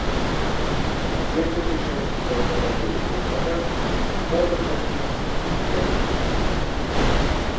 Нягледзячы на патанненне кватэр, попыт на іх зменшыўся.